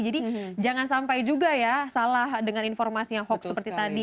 jadi jangan sampai juga ya salah dengan informasi yang hoax seperti tadi